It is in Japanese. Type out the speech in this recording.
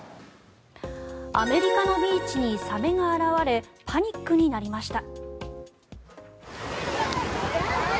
アメリカのビーチにサメが現れパニックになりました。